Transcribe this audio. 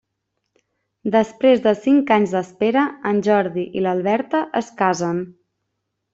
Després de cinc anys d'espera, en Jordi i l'Alberta es casen.